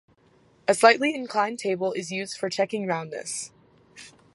A slightly inclined table is used for checking roundness.